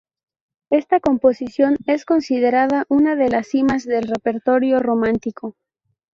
Esta composición es considerada una de las cimas del repertorio romántico.